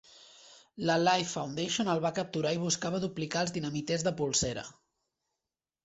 La Life Foundation el va capturar i buscava duplicar els dinamiters de polsera.